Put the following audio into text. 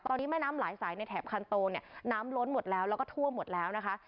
ตอนนี้แม่น้ำหลายสายในแถบคันโตเนี่ยน้ำล้นหมดแล้วแล้วก็ทั่วหมดแล้วนะคะ